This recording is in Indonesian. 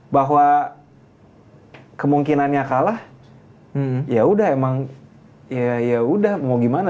bahwa kemungkinannya kalah yaudah emang yaudah mau gimana